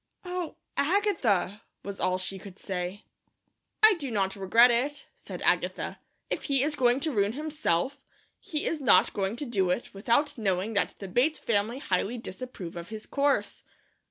"Oh, Agatha!" was all she could say. "I do not regret it," said Agatha. "If he is going to ruin himself, he is not going to do it without knowing that the Bates family highly disapprove of his course."